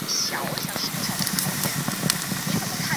翅果杯冠藤是夹竹桃科鹅绒藤属的植物。